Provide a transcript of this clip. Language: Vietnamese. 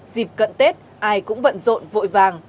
dịp cận tết ai cũng bận rộn vội vàng